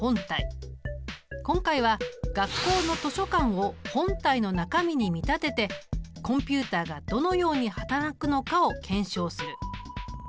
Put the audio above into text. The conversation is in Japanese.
今回は学校の図書館を本体の中身に見立ててコンピュータがどのように働くのかを検証する。